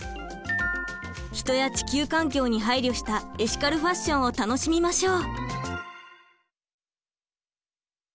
人や地球環境に配慮したエシカルファッションを楽しみましょう。